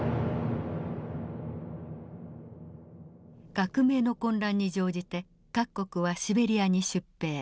革命の混乱に乗じて各国はシベリアに出兵。